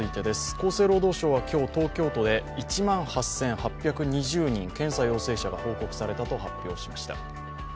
厚生労働省は今日、東京都で１万８８２０人検査陽性者が報告されたと発表しました。